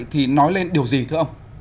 thì nói lên điều gì thưa ông